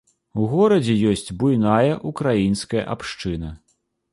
У горадзе ёсць буйная ўкраінская абшчына.